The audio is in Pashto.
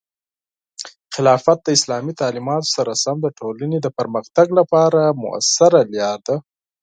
خلافت د اسلامي تعلیماتو سره سم د ټولنې د پرمختګ لپاره مؤثره لاره ده.